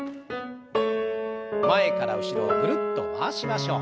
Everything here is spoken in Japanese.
前から後ろをぐるっと回しましょう。